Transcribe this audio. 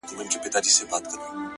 د په زړه کي اوښکي- د زړه ویني – ويني-